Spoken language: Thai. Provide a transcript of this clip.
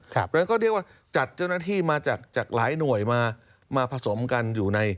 แล้วก็เรียกว่าจัดเจ้าหน้าที่มาจากหลายหน่วยมาผสมกัน